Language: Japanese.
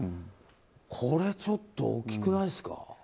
これ、ちょっと大きくないですか。